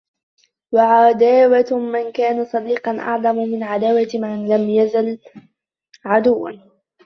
وَعَدَاوَةُ مَنْ كَانَ صَدِيقًا أَعْظَمُ مِنْ عَدَاوَةِ مَنْ لَمْ يَزَلْ عَدُوًّا